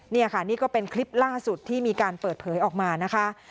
นี่ค่ะนี่ก็เป็นคลิปล่าสุดที่มีการเปิดเผยออกมานะคะ